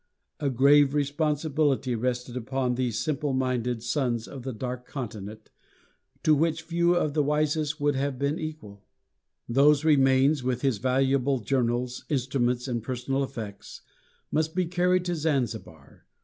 A grave responsibility rested upon these simple minded sons of the Dark Continent, to which few of the wisest would have been equal. Those remains, with his valuable journals, instruments, and personal effects, must be carried to Zanzibar.